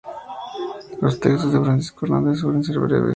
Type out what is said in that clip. Los textos de Francisco Hernández suelen ser breves.